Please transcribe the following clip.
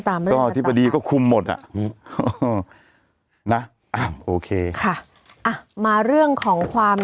ก็อธิบดีก็คุมหมดอ่ะอืมนะอ่ะโอเคค่ะอ่ะมาเรื่องของความ